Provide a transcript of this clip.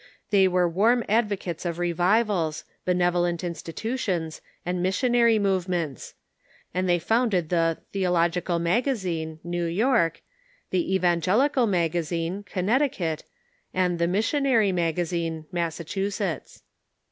They were warm advocates of revivals, benevolent institutions, and mis sionary movements ; and they founded the Tlieologlcal Maga zine (NewYovk), the ^JvcmgelicalJIagazine (Connecticut), and the Jlissionarg JTagazine (Massachusetts).